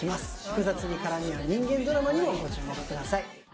複雑に絡みあう人間ドラマにもご注目ください